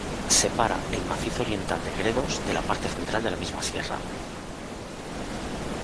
Separa el Macizo Oriental de Gredos de la parte central de la misma sierra.